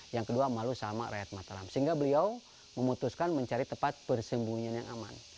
yang kedua malu sama rakyat mataram sehingga beliau memutuskan mencari tempat persembunyian yang aman